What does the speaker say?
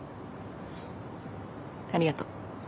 ありがとう。